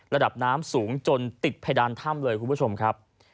ระดับน้ำสูงจนติดเพดานถ้ำเลยคุณผู้ชมครับ